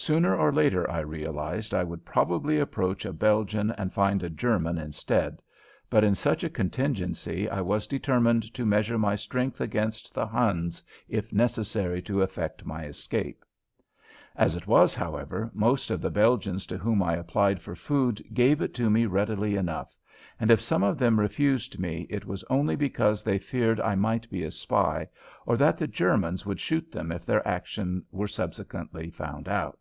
Sooner or later I realized I would probably approach a Belgian and find a German instead, but in such a contingency I was determined to measure my strength against the Hun's if necessary to effect my escape. As it was, however, most of the Belgians to whom I applied for food gave it to me readily enough, and if some of them refused me it was only because they feared I might be a spy or that the Germans would shoot them if their action were subsequently found out.